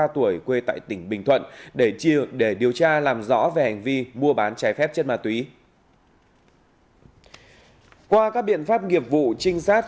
ba mươi ba tuổi quê tại tỉnh bình thuận để điều tra làm rõ về hành vi mua bạc